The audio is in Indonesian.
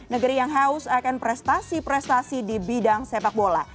negeri yang haus akan prestasi prestasi di bidang sepak bola